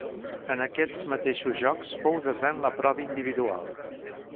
En aquests mateixos Jocs fou desè en la prova individual.